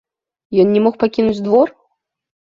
Ён не мог пакінуць двор?